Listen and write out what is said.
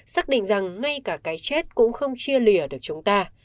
xác định rằng ngay cả cái chết cũng không chia lìa được chúng ta